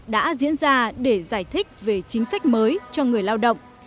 đã diễn ra để giải thích về chính sách mới cho người lao động